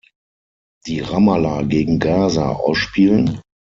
Die Ramallah gegen Gaza ausspielen?